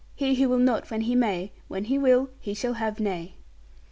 He who will not when he may, when he will, he shall have nay.'